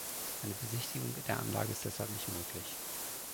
Eine Besichtigung der Anlage ist deshalb nicht möglich.